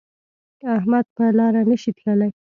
احمد په لاره نشي تللی.